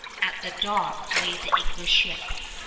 At the dock lay the English ship.